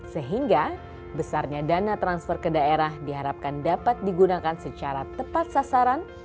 sehingga besarnya dana transfer ke daerah diharapkan dapat digunakan secara tepat sasaran